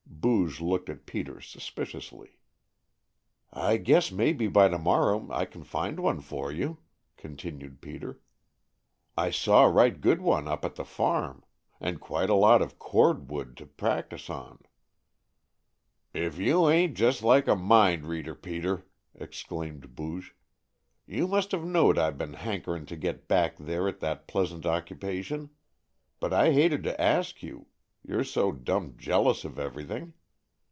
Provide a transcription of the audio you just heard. Booge looked at Peter suspiciously. "I guess maybe by to morrow I can find one for you," continued Peter. "I saw a right good one up at the farm. And quite a lot of cord wood to practise on." "If you ain't just like a mind reader, Peter!" exclaimed Booge. "You must have knowed I been hankerin' to get back there at that pleasant occupation. But I hated to ask you, you 're so dumb jealous of everything.